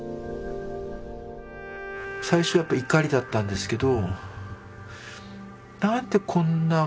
最初はやっぱり怒りだったんですけど。